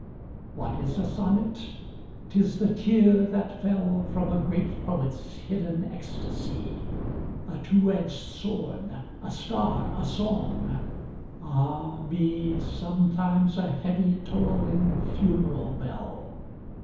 What is a sonnet ? 'T is the tear that fell From a great poet's hidden ecstasy ; A two edged sword, a star, a song — ah me I Sometimes a heavy tolling funeral bell.